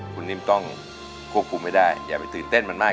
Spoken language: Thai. คุณนิ่มต้องควบคุมให้ได้อย่าไปตื่นเต้นมันมาก